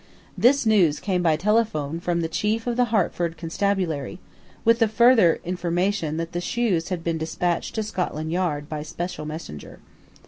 This news came by telephone from the Chief of the Hertford Constabulary, with the further information that the shoes had been despatched to Scotland Yard by special messenger.